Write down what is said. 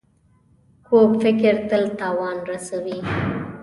کوږ فکر تل تاوان رسوي